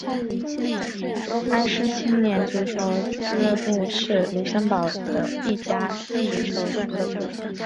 埃施青年足球俱乐部是卢森堡的一家足球俱乐部。